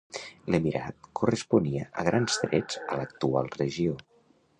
L'emirat corresponia a grans trets a l'actual regió.